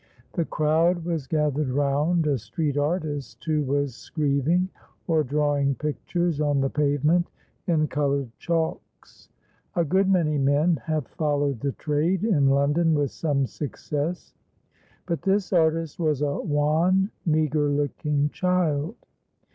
The crowd was gathered round a street artist who was "screeving," or drawing pictures on the pavement in colored chalks. A good many men have followed the trade in London with some success, but this artist was a wan, meagre looking child.